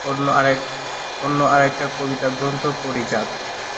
অন্য আরেকটা কবিতা গ্রন্থ তত্ব পারিজাত।